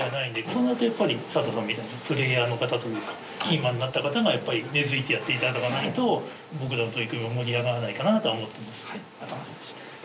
そうなるとやっぱり佐藤さんみたいなプレーヤーの方というかキーマンになった方がやっぱり根づいてやっていただかないと僕らの取り組みも盛り上がらないかなとは思っています